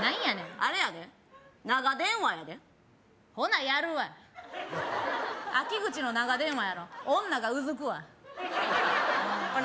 あれやで長電話やでほなやるわい秋口の長電話やろ女がうずくわほな